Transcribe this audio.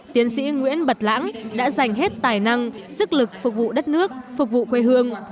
tiến sĩ nguyễn bật lãng đã dành hết tài năng sức lực phục vụ đất nước phục vụ quê hương